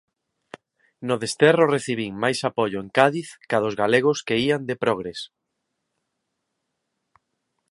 No desterro recibín máis apoio en Cádiz ca dos galegos que ían de progres.